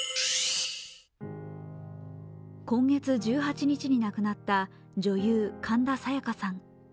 今月１８日に亡くなった女優・神田沙也加さん。